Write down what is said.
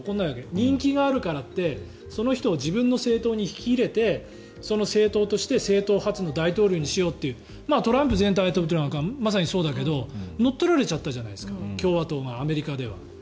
人気があるからってその人を自分の政党に引き入れて、政党として政党発の大統領にしようというトランプ前大統領なんかまさにそうだけど乗っ取られちゃったじゃない共和党が、アメリカでは。